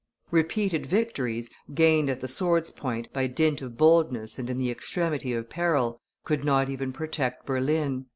Repeated victories, gained at the sword's point, by dint of boldness and in the extremity of peril, could not even protect Berlin.